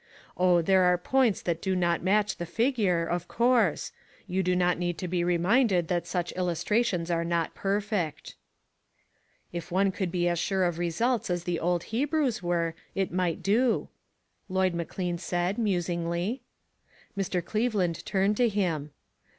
Oh, there are points that do not match the figure, of course ; you do not need to be reminded that such illustrations are not perfect." 3l8 ONE COMMONPLACE DAY. " If one could be as sure of results as the old Hebrews were, it might do," Lloyd McLean said, musingly. Mr. Cleveland turned to him.